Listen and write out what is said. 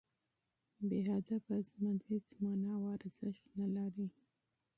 بې هدفه ژوند هېڅ مانا او ارزښت نه لري.